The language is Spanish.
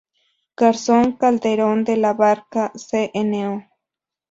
Garzón, Calderón de la Barca, Cno.